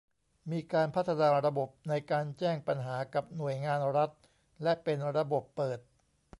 มีการพัฒนาระบบในการแจ้งปัญหากับหน่วยงานรัฐและเป็นระบบเปิด